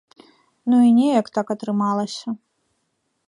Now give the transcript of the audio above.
Ну і неяк так атрымалася.